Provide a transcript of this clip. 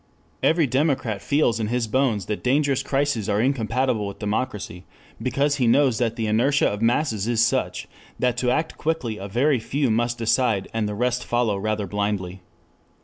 Every democrat feels in his bones that dangerous crises are incompatible with democracy, because he knows that the inertia of masses is such that to act quickly a very few must decide and the rest follow rather blindly.